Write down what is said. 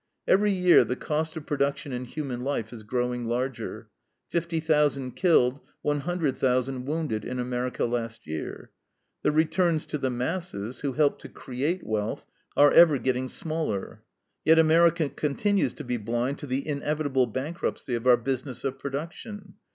Every year the cost of production in human life is growing larger (50,000 killed, 100,000 wounded in America last year); the returns to the masses, who help to create wealth, are ever getting smaller. Yet America continues to be blind to the inevitable bankruptcy of our business of production.